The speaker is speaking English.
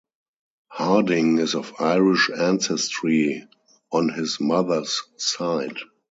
Harding is of Irish ancestry on his mother's side.